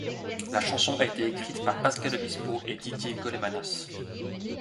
La chanson a été écrite par Pascal Obispo et Didier Golemanas.